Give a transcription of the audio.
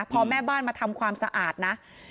พอแม่บ้านมาทำความสะอาดนะ